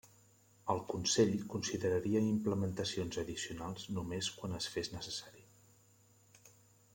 El Consell consideraria implementacions addicionals només quan es fes necessari.